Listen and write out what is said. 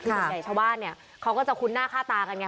คือส่วนใหญ่ชาวบ้านเนี่ยเขาก็จะคุ้นหน้าค่าตากันไง